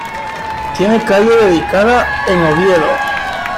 Tiene calle dedicada en Oviedo.